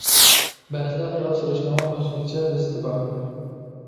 بەزىدە خىيال سۈرۈشنىڭمۇ ئۆزگىچە لەززىتى بار.